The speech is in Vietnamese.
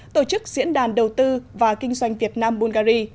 tổ chức diễn đàn đầu tư và kinh doanh việt nam bulgari